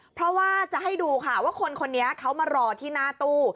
เพราะว่าจะให้ดูค่ะว่าคนคนนี้เขามารอที่หน้าตู้